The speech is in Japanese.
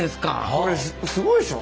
これすごいでしょ？